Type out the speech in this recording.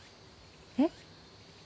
えっ？